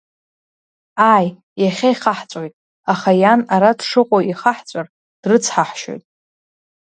Ааи, иахьа ихаҳҵәоит, аха иан ара дшыҟоу ихаҳҵәар, дрыцҳаҳшьоит.